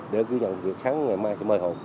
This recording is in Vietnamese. để ghi nhận việc sáng ngày mai sẽ mời hồn